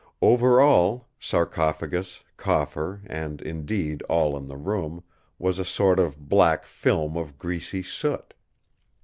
Over all, sarcophagus, coffer and, indeed, all in the room, was a sort of black film of greasy soot.